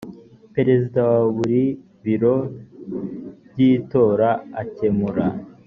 perezida wa buri biro by itora akemura